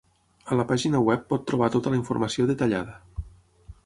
A la pàgina web pot trobar tota la informació detallada.